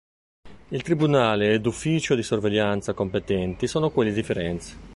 Il tribunale ed ufficio di sorveglianza competenti sono quelli di Firenze.